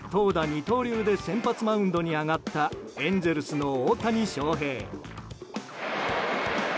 二刀流で先発マウンドに上がったエンゼルスの大谷翔平。